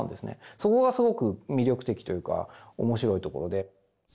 そこがすごく魅力的というかおもしろいところで。